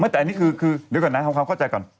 แต่อันนี้คือเดี๋ยวก่อนนะทำความเข้าใจก่อน